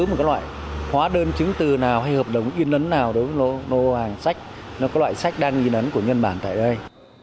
không có loại hóa đơn chứng tử nào hay hợp đồng in ấn nào đối với loại sách đang in ấn của nhân bản tại đây